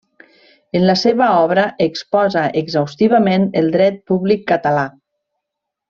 En la seva obra exposa exhaustivament el dret públic català.